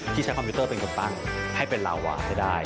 ใช้คอมพิวเตอร์เป็นคนตั้งให้เป็นลาวาให้ได้